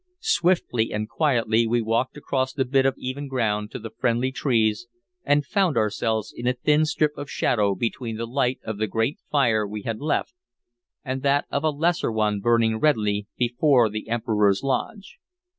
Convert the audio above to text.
Swiftly and quietly we walked across the bit of even ground to the friendly trees, and found ourselves in a thin strip of shadow between the light of the great fire we had left and that of a lesser one burning redly before the Emperor's lodge.